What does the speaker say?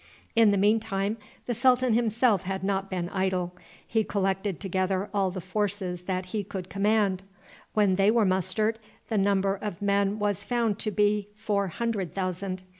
In the mean time the sultan himself had not been idle. He collected together all the forces that he could command. When they were mustered, the number of men was found to be four hundred thousand.